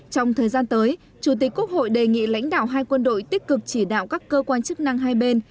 trong thời gian tới chủ tịch quốc hội đề nghị lãnh đạo hai quân đội tích cực chỉ đạo các cơ quan chức năng hai bên